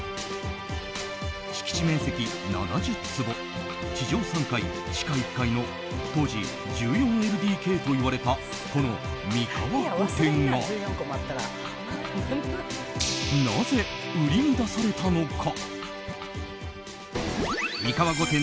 敷地面積７０坪地上３階、地下１階の当時１４ＬＤＫといわれたこの美川御殿がなぜ売りに出されたのか。